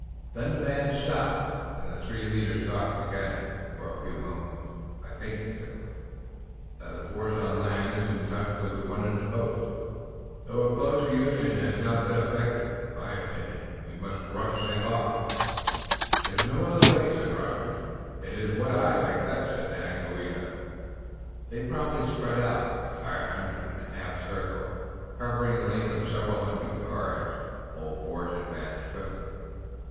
Then the band stopped and the three leaders talked together again for a few moments. "I think," said Willet, "that the force on land is in touch with the one in the boats, though a close union has not been effected. In my opinion we must rush St. Luc." "There is no other way," said Rogers. "It is what I like best," said Daganoweda. They promptly spread out, the entire hundred in a half circle, covering a length of several hundred yards, and the whole force advanced swiftly.